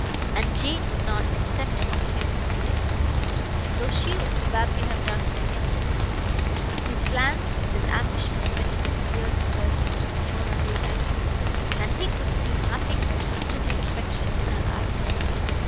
And Jane would not accept of him to day, though she would probably have done so yesterday. His plans, his ambitions, were too dear to her to be thrown away lightly, and he could see nothing but sisterly affection in her eyes.